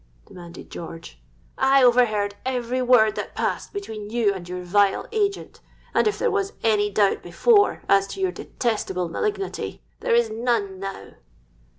demanded George. 'I overheard every word that passed between you and your vile agent; and if there was any doubt before as to your detestable malignity, there is none now.'